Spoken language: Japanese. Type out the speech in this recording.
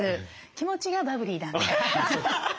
気持ちがバブリーなんで。